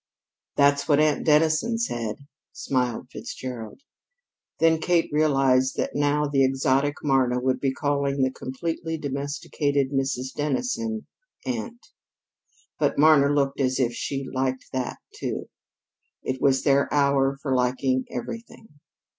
"That's what Aunt Dennison said," smiled Fitzgerald. Then Kate realized that now the exotic Marna would be calling the completely domesticated Mrs. Dennison "aunt." But Marna looked as if she liked that, too. It was their hour for liking everything.